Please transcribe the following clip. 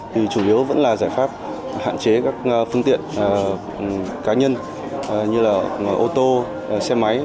thì chủ yếu vẫn là giải pháp hạn chế các phương tiện cá nhân như là ô tô xe máy